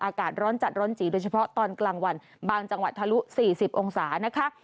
อากาศร้อนจัดร้อนจีโดยเฉพาะตอนกลางวันบางจังหวัดทะลุ๔๐องศานะคะ